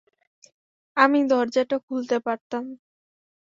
আমি দরজাটা খুলতে পারতাম।